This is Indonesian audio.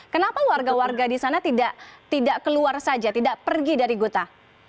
kenapa warga warga di sana tidak keluar saja tidak pergi dari gota